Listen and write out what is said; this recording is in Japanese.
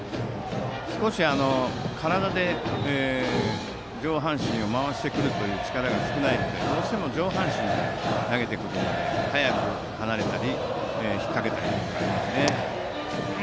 少し、体で上半身を回してくる力が少ないので、どうしても上半身で投げてくるので早く離れたり引っ掛けたりがありますね。